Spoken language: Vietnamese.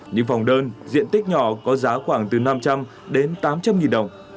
những phòng đơn diện tích nhỏ có giá khoảng từ năm trăm linh đến tám trăm linh nghìn đồng